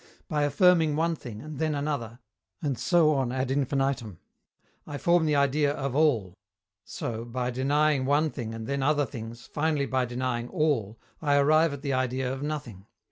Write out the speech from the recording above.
By affirming one thing, and then another, and so on ad infinitum, I form the idea of "All;" so, by denying one thing and then other things, finally by denying All, I arrive at the idea of Nothing.